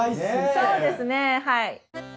そうですねはい。